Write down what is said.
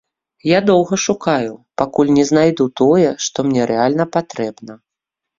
Я доўга шукаю, пакуль не знайду тое, што мне рэальна патрэбна.